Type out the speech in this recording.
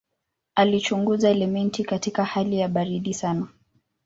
Alichunguza elementi katika hali ya baridi sana.